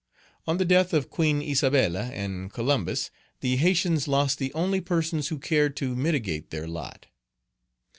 On the death of Queen Isabella and Columbus, the Haytians lost the only persons who cared to mitigate their lot.